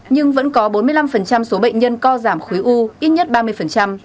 nhưng vẫn có bốn mươi năm số bệnh nhân co giảm khối u ít nhất ba mươi